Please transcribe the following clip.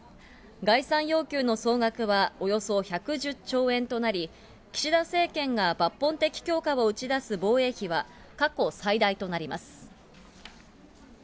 概算要求の総額はおよそ１１０兆円となり、岸田政権が抜本的強化を打ち出す防衛費は、過去最大となります。